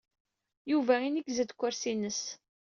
Yuba ineggez-d seg ukersi-ines.